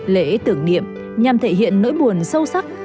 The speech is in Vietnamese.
lễ tưởng niệm nhằm thể hiện nỗi buồn sâu sắc